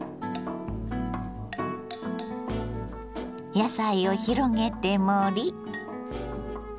野菜を広げて盛り。